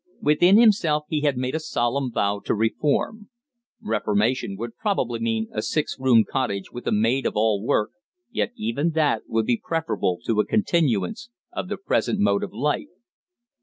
Within himself he had made a solemn vow to reform. Reformation would probably mean a six roomed cottage with a maid of all work, yet even that would be preferable to a continuance of the present mode of life.